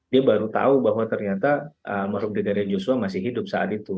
dia baru tahu bahwa ternyata mahluk dekade joshua masih hidup saat itu